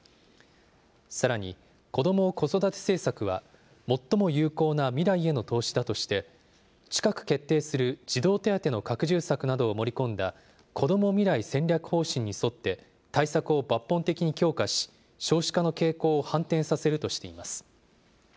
さらに、子ども・子育て政策は、最も有効な未来への投資だとして、近く決定する児童手当の拡充策などを盛り込んだ、こども未来戦略方針に沿って、対策を抜本的に強化し、少子化の傾向を反転させるとしています。